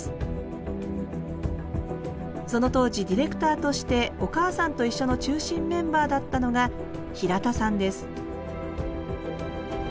その当時ディレクターとして「おかあさんといっしょ」の中心メンバーだったのが平田さんです